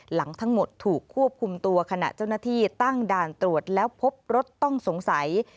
หลังทั้งหมดถูกควบคุมตัวขณะเจ้าหน้าที่ตั้งด่านตรวจแล้วพบรถต้องสงสัย